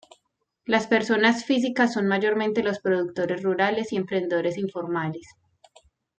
Las personas físicas son mayormente los productores rurales y emprendedores informales.